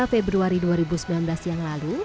lima februari dua ribu sembilan belas yang lalu